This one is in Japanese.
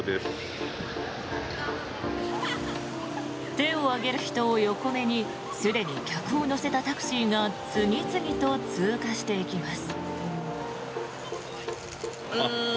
手を上げる人を横目にすでに客を乗せたタクシーが次々と通過していきます。